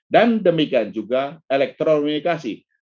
dan demikian juga elektronifikasi